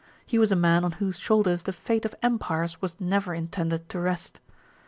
He was a man on whose shoul ders the fate of empires was never intended to rest.